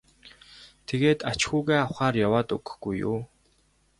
тэгээд ач хүүгээ авахаар яваад өгөхгүй юу.